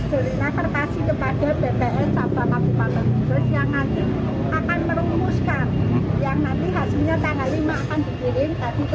yang nanti akan merumuskan